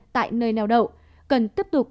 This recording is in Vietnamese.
tại nơi nèo đậu cần tiếp tục